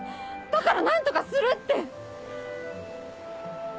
だから何とかするって！